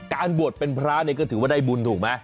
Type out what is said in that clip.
บวชเป็นพระเนี่ยก็ถือว่าได้บุญถูกไหม